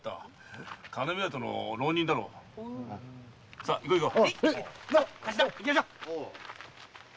さあ行こう行こう！